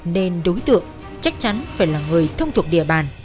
nên đối tượng chắc chắn phải là người thông thuộc địa bàn